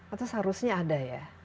atau seharusnya ada ya